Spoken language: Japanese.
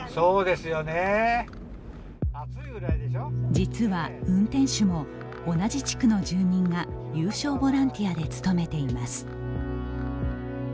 実は、運転手も同じ地区の住民が有償ボランティアで務めています。